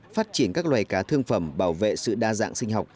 phát triển các loài cá thương phẩm bảo vệ sự đa dạng sinh học